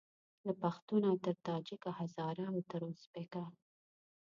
له پښتونه تر تاجیکه هزاره او تر اوزبیکه